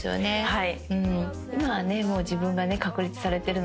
はい。